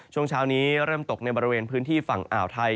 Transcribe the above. ช่วงเช้านี้เริ่มตกในบริเวณพื้นที่ฝั่งอ่าวไทย